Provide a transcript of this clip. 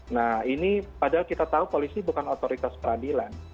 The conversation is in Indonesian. nah ini padahal kita tahu polisi bukan otoritas peradilan